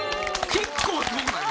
結構すごくない！？